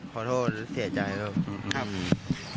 ขอโทษเสียใจแล้ว